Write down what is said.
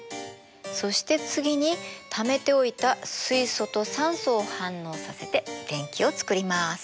そして次にためておいた水素と酸素を反応させて電気をつくります。